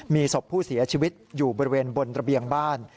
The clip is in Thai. มีศพผู้เสียชีวิตอยู่บริเวณบนระเบียงบ้าน